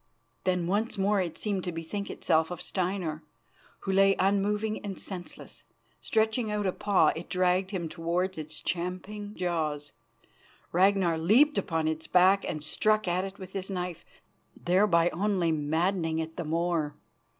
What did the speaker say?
Then once more it seemed to bethink itself of Steinar, who lay unmoving and senseless. Stretching out a paw, it dragged him towards its champing jaws. Ragnar leapt upon its back and struck at it with his knife, thereby only maddening it the more.